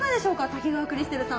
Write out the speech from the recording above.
滝川クリステルさん。